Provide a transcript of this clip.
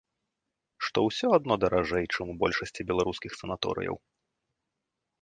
Што ўсё адно даражэй, чым у большасці беларускіх санаторыяў.